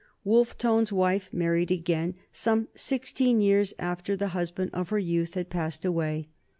Wolfe Tone's wife married again some sixteen years after the husband of her youth had passed away.